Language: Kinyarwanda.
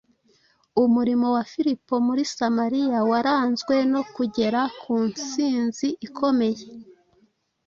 Umurimo wa Filipo muri Samariya waranzwe no kugera ku nsinzi ikomeye,